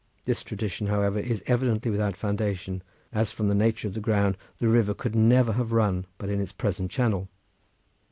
This tradition, however, is evidently without foundation, as from the nature of the ground the river could never have run but in its present channel.